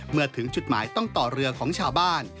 เมื่อถึงจุดหมายต้องต่อเรือของชาวบ้าน